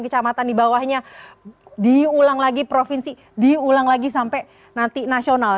dimasukkan lagi rekapitulasi yang dilakukan oleh kecamatan kecamatan di bawahnya diulang lagi provinsi diulang lagi sampai nanti nasional